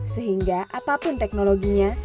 sehingga apapun teknologinya